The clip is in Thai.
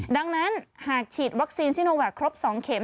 ดังนั้นหากฉีดวัคซีนซิโนแวคครบ๒เข็ม